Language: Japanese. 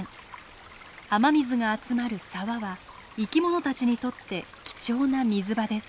雨水が集まる沢は生きものたちにとって貴重な水場です。